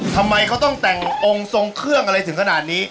ทำไมเขาต้องแต่งองค์ทรงเครื่องอะไรถึงขนาดนี้